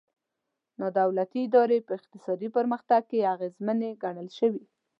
نا دولتي ادارې په اقتصادي پرمختګ کې اغېزمنې ګڼل شوي.